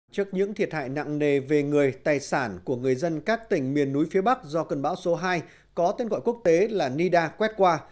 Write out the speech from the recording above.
trước những thiệt hại nặng nề về người tài sản của người dân các tỉnh miền núi phía bắc do cơn bão số hai có tên gọi quốc tế là nida quét qua